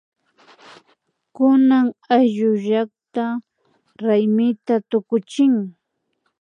Kunan ayllullakta raymita tukuchin